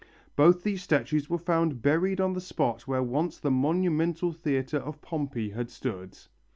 Both these statues were found buried on the spot where once the monumental theatre of Pompey had stood.